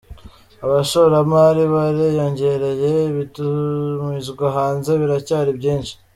Abashoramari bariyongereye, ibitumizwa hanze biracyari byinshi